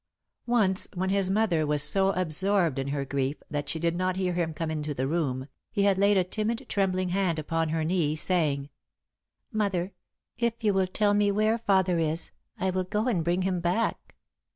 Once, when his mother was so absorbed in her grief that she did not hear him come into the room, he had laid a timid, trembling hand upon her knee, saying: "Mother, if you will tell me where Father is, I will go and bring him back."